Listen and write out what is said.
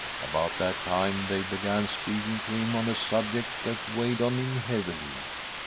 "About that time they began speaking to him on a subject that weighed on him heavily.